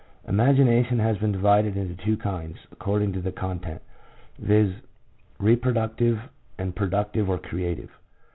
Imagination has been divided into two kinds according to the content — viz., reproductive and pro ductive or creative.